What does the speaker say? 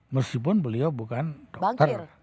meskipun beliau bukan dokter